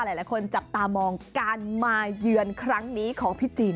หลายคนจับตามองการมาเยือนครั้งนี้ของพี่จีน